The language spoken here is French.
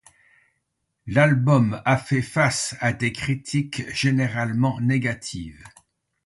L'album a fait face à des critiques généralement négatives.